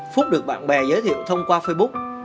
phúc được bạn bè giới thiệu thông qua facebook